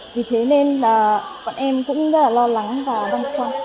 vì thế nên là bọn em cũng rất là lo lắng và văn khoa